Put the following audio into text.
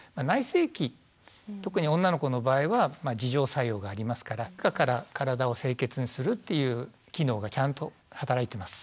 性器特に女の子の場合は自浄作用がありますから中から体を清潔にするっていう機能がちゃんと働いてます。